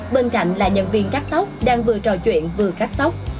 bên cạnh là nhân viên cắt tóc đang vừa trò chuyện vừa cắt tóc